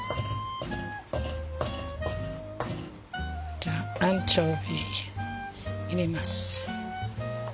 じゃアンチョビ入れます。